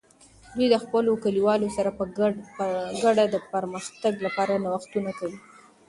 دوی د خپلو کلیوالو سره په ګډه د پرمختګ لپاره نوښتونه کوي.